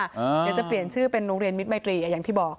เดี๋ยวจะเปลี่ยนชื่อเป็นโรงเรียนมิตรมัยตรีอย่างที่บอก